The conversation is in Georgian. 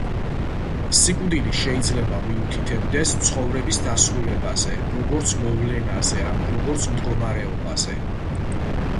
სიკვდილი შეიძლება მიუთითებდეს ცხოვრების დასრულებაზე როგორც მოვლენაზე ან როგორც მდგომარეობაზე.